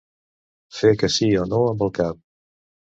Fer que sí o no amb el cap.